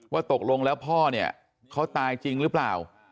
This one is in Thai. ว่าตกลงแล้วพ่อเขาตายจริงหรือเปล่า